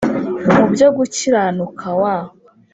Mu byo gukiranuka w